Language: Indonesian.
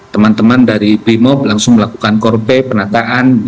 teman teman dari brimop langsung melakukan korpe penataan